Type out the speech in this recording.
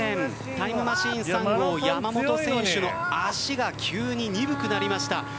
タイムマシーン３号山本選手の足が急に鈍くなりました。